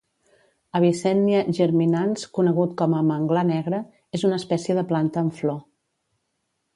Avicennia germinans conegut com a manglar negre és una espècie de planta amb flor